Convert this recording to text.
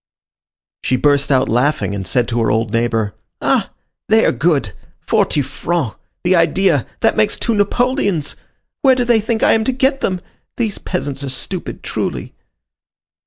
She burst out laughing, and said to her old neighbor: "Ah! they are good! Forty francs! the idea! That makes two napoleons! Where do they think I am to get them? These peasants are stupid, truly."